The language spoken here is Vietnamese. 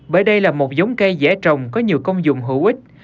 bởi đây là một giống cây dễ trồng có nhiều công dụng hữu ích